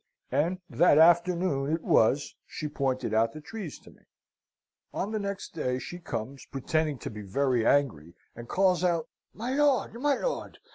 And that afternoon it was, she pointed out the trees to me. "On the next day, she comes, pretending to be very angry, and calls out, 'My lord! my lord!